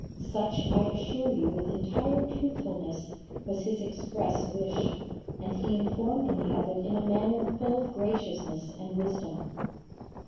Such, I assure you with entire truthfulness, was his express wish, and he informed me of it in a manner full of graciousness and wisdom.